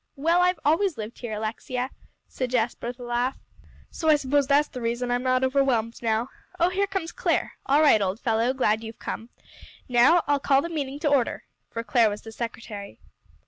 "Well, I've always lived here, Alexia," said Jasper with a laugh, "so I suppose that is the reason I'm not overwhelmed now. Oh, here comes Clare. All right, old fellow, glad you've come. Now I'll call the meeting to order." For Clare was the secretary.